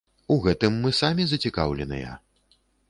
У гэтым мы самі зацікаўленыя.